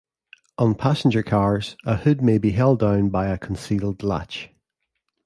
On passenger cars, a hood may be held down by a concealed latch.